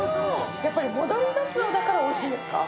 やっぱり戻りガツオだからおいしいんですか？